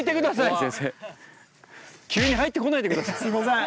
すいません。